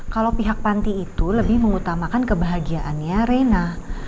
kalau pihak kepala sekolah itu lebih mengutamakan kebahagiaannya rena